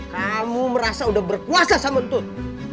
kamu merasa udah berkuasa sama untut